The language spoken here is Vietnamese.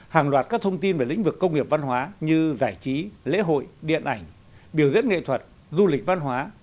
hàng loạt các thông tin về lĩnh vực công nghiệp văn hóa như giải trí lễ hội điện ảnh biểu diễn nghệ thuật du lịch văn hóa